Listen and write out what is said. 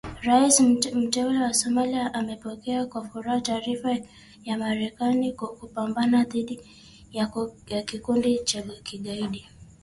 Rais Mteule wa Somalia amepokea kwa furaha taarifa ya Marekani kupambana dhidi ya Kikundi cha Kigaidi